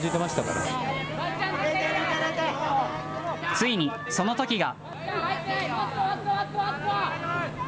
ついに、そのときが。